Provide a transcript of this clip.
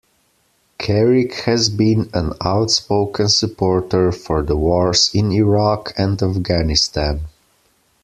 Kerik has been an outspoken supporter for the wars in Iraq and Afghanistan.